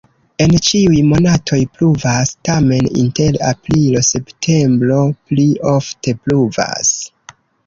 En ĉiuj monatoj pluvas, tamen inter aprilo-septembro pli ofte pluvas.